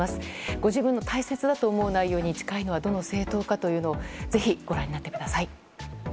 ご自分が大切だと思う内容に近いのはどの政党かぜひ、ご覧になってください。